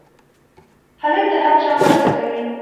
هلک د هر چا مرسته کوي.